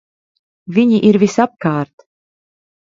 Viņi ir visapkārt!